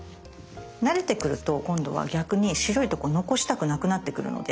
慣れてくると今度は逆に白いとこ残したくなくなってくるので。